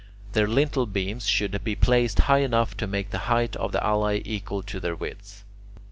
Their lintel beams should be placed high enough to make the height of the alae equal to their width.